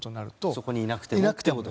そこにいなくても。